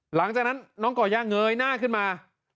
หลังจากนั้นน้องก่อย่าเงยหน้าขึ้นมา